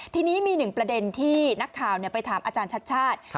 ทีนี้มีหนึ่งประเด็นที่นักข่าวไปถามอาจารย์ชัดชาติ